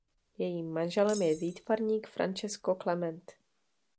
Jejím manželem je výtvarník Francesco Clemente.